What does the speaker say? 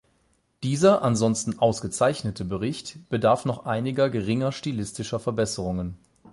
Dieser ansonsten ausgezeichnete Bericht bedarf noch einiger geringer stilistischer Verbesserungen.